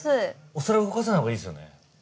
お皿動かさないほうがいいですよね？